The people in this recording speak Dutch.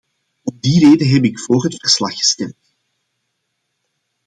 Om die reden heb ik voor het verslag gestemd.